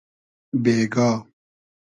بېگا